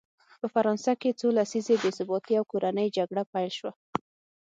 په فرانسه کې څو لسیزې بې ثباتي او کورنۍ جګړه پیل شوه.